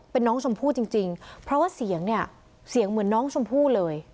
เป็นน้องชมพู่จริงเพราะว่าเสียงเนี่ยเสียงเหมือนน้องชมพู่เลย